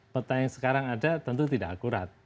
peta yang sekarang ada tentu tidak akurat